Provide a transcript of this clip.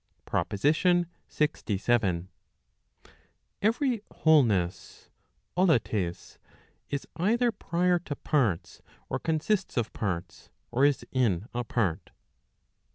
PROPOSITION LXVII. Every wholeness (oxonjs) is either prior to parts, or consists of parts, or is in a part.